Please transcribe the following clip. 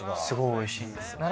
すごいおいしいんです。